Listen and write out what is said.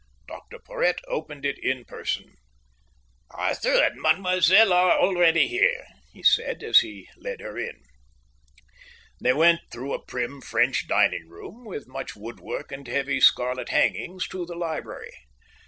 Dr Porhoët opened in person. "Arthur and Mademoiselle are already here," he said, as he led her in. They went through a prim French dining room, with much woodwork and heavy scarlet hangings, to the library.